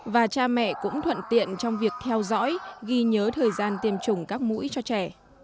và cha mẹ cũng thuận tiện trong việc theo dõi ghi nhớ thời gian tiêm chủng các mũi cho trẻ